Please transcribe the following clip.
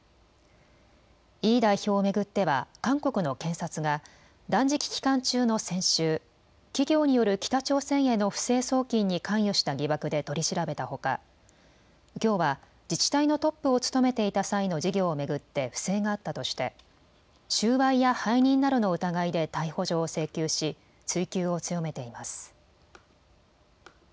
イ代表を巡っては韓国の検察が断食期間中の先週、企業による北朝鮮への不正送金に関与した疑惑で取り調べたほかきょうは自治体のトップを務めていた際の事業を巡って不正があったとして収賄や背任などの疑いで逮捕状を請求し、追及を強めています。